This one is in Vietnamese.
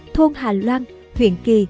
thôn hà loan huyện kỳ